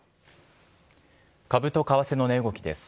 株と為替の値動きです。